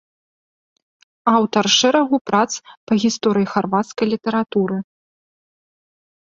Аўтар шэрагу прац па гісторыі харвацкай літаратуры.